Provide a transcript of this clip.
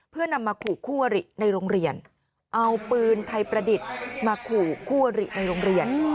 เพื่อนำมาขู่คู่อริในโรงเรียนเอาปืนไทยประดิษฐ์มาขู่คู่อริในโรงเรียน